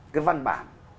cái văn bản